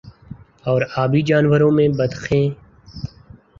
اور آبی جانوروں میں بطخیں